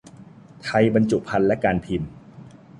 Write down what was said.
ไทยบรรจุภัณฑ์และการพิมพ์